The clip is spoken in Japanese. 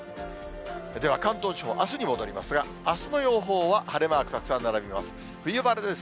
では関東地方、あすに戻りますが、あすの予報は晴れマークたくさん並びます。